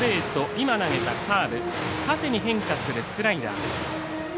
今投げたカーブ縦に変化するスライダー。